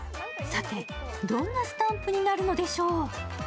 さて、どんなスタンプになるのでしょう。